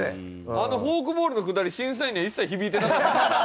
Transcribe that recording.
あのフォークボールのくだり審査員には一切響いてなかった。